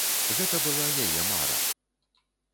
Гэта была яе мара.